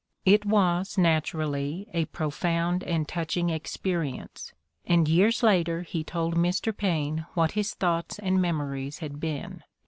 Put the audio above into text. It was, naturally, a profound and touching experience, and years later he told Mr. Paine what his thoughts and memories had been.